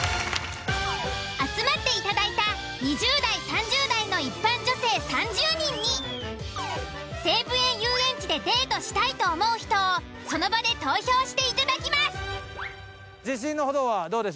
集まっていただいた２０代３０代の一般女性３０人に西武園ゆうえんちでデートしたいと思う人をその場で投票していただきます。